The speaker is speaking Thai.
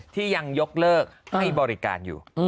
ที่ยังยกเลิกให้บริการอยู่